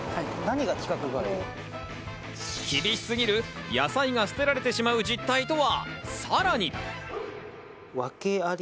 厳しすぎる野菜が捨てられてしまう事態とは？